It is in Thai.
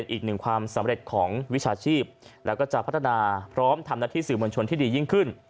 อีกหนึ่งความสำเร็จของวิชาชีพแล้วก็จะพัฒนาพร้อมทำหน้าที่สื่อมวลชนที่ดียิ่งขึ้น